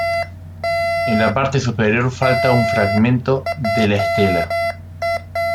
En la parte superior falta un fragmento de la estela.